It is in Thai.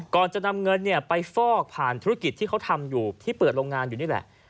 ก่อนจะนำเงินไปฟอกผ่านธุรกิจที่เขาทำอยู่ที่เปิดโรงงานอยู่นี่แหละ